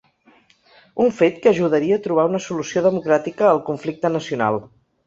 Un fet que ajudaria a trobar una “solució democràtica” al conflicte nacional.